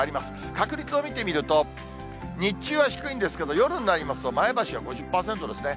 確率を見てみると、日中は低いんですけど、夜になりますと、前橋は５０％ですね。